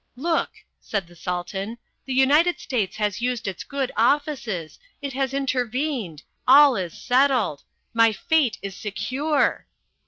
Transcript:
"Look," said the Sultan. "The United States has used its good offices. It has intervened! All is settled. My fate is secure."